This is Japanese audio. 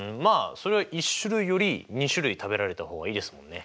そりゃ１種類より２種類食べられた方がいいですもんね。